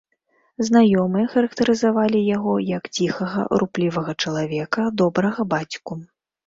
Знаёмыя характарызавалі яго як ціхага, руплівага чалавека, добрага бацьку.